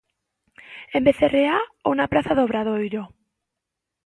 En Becerreá ou na Praza do Obradoiro?